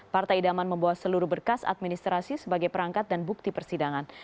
partai idaman membawa seluruh berkas administrasi sebagai perangkat dan bukti persidangan